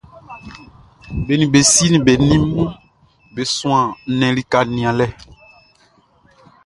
Be nin be si nin be nin be suan nnɛnʼm be lika nianlɛ.